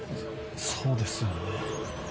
そうですよね。